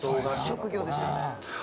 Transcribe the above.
職業ですよね。